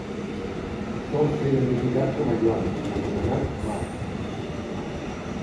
Sol ser identificat com a Joan, anomenat Marc.